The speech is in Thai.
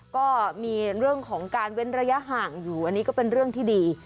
ก็มีเรื่องของการเว้นระยะห่างอยู่อันนี้ก็เป็นเรื่องที่ดี